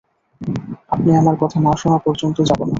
আপনি আমার কথা না শুনা পর্যন্ত যাব না।